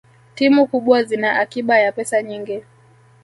timu kubwa zina akiba ya pesa nyingi